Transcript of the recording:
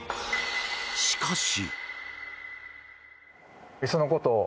しかし。